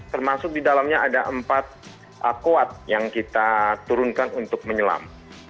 termasuk di dalamnya ada empat kuat yang kita turunkan untuk menyelam